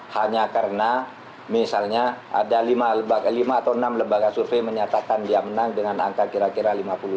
hanya karena misalnya ada lima atau enam lembaga survei menyatakan dia menang dengan angka kira kira lima puluh